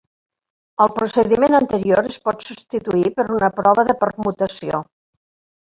El procediment anterior es pot substituir per una prova de permutació.